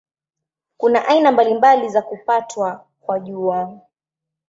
Kuna aina mbalimbali za kupatwa kwa Jua.